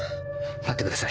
待ってください